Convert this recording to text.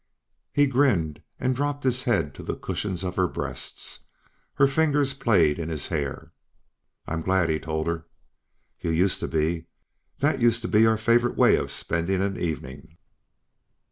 He grinned and dropped his head to the cushions of her breasts. Her fingers played in his hair. "I'm glad," he told her. "You used to be. That used to be our favorite way of spending an evening."